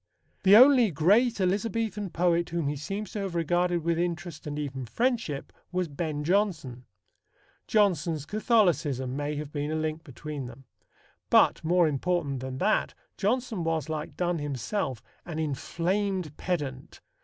The only great Elizabethan poet whom he seems to have regarded with interest and even friendship was Ben Jonson. Jonson's Catholicism may have been a link between them. But, more important than that, Jonson was, like Donne himself, an inflamed pedant.